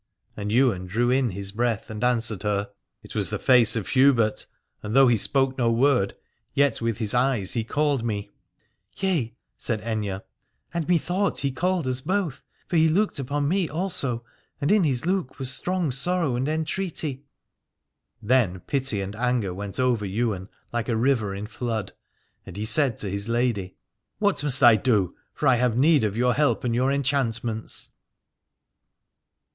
And Ywain drew in his breath and answered her: 299 Aladore It was the face of Hubert, and though he spoke no word, yet with his eyes he called me. Yea, said Aithne, and methought he called us both : for he looked upon me also, and in his look was strong sorrow and en treaty. Then pity and anger went over Ywain like a river in flood, and he said to his lady : What must I do, for I have need of your help and your enchantments.